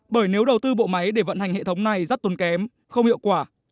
bởi nếu đầu tư bộ máy để vận hành hệ thống này rất tuần kém không hiệu quả